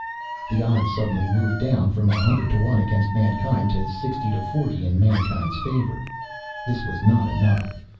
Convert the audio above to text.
The odds suddenly moved down from a hundred to one against mankind to sixty to forty in mankind's favor. This was not enough.